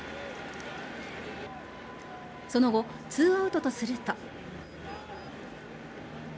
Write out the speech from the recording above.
その後、２アウトとすると。